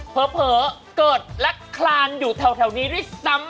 เผลอเกิดและคลานอยู่แถวนี้ด้วยซ้ำ